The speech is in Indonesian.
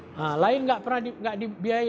nah lain nggak pernah nggak dibiayai